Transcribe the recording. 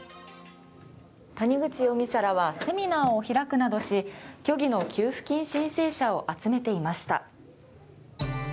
谷口容疑者らはセミナーを開くなどし虚偽の給付金申請者を集めていました。